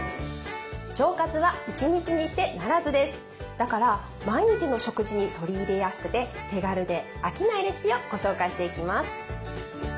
だから毎日の食事に取り入れやすくて手軽で飽きないレシピをご紹介していきます。